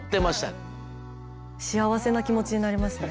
幸せな気持ちになりますよね。